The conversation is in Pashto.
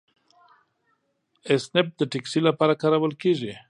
اسنپ د ټکسي لپاره کارول کیږي.